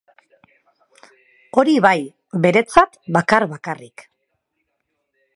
Hori bai, beretzat bakar-bakarrik.